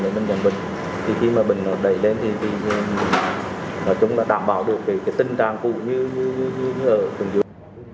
để bệnh nhân bệnh thì khi mà bệnh nó đẩy lên thì chúng đã đảm bảo được cái tình trạng cũ như ở phần dưới